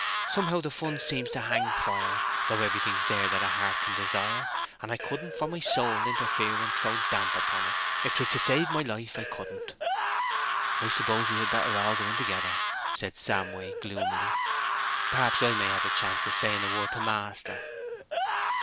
Somehow the fun seems to hang fire, though everything's there that a heart can desire, and I couldn't for my soul interfere and throw damp upon it—if 'twas to save my life, I couldn't!" "I suppose we had better all go in together," said Samway, gloomily. "Perhaps I may have a chance of saying a word to master."